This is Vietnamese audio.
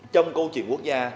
trong câu chuyện quốc gia